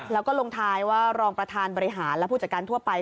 แล้วก็ลงท้ายว่ารองประธานบริหารและผู้จัดการทั่วไป